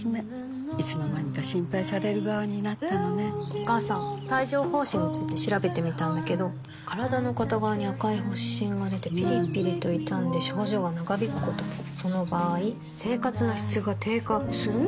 お母さん帯状疱疹について調べてみたんだけど身体の片側に赤い発疹がでてピリピリと痛んで症状が長引くこともその場合生活の質が低下する？